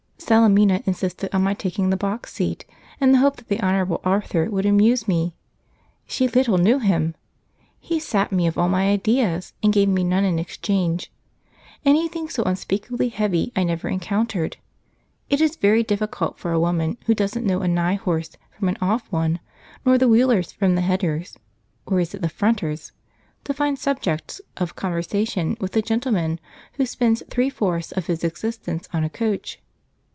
Salemina insisted on my taking the box seat, in the hope that the Honourable Arthur would amuse me. She little knew him! He sapped me of all my ideas, and gave me none in exchange. Anything so unspeakably heavy I never encountered. It is very difficult for a woman who doesn't know a nigh horse from an off one, nor the wheelers from the headers (or is it the fronters?), to find subjects of conversation with a gentleman who spends three fourths of his existence on a coach.